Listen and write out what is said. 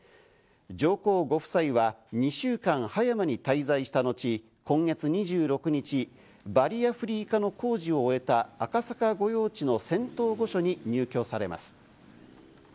上皇ご夫妻は２週間、葉山に滞在した後、今月２６日、バリアフリー化の工事を終えた赤坂御用地の仙洞御所に入居されます。